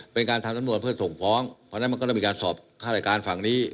เป็นการทำสำนวนเพื่อส่งฟ้อง